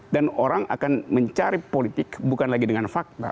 dan orang akan mencari politik bukan lagi dengan fakta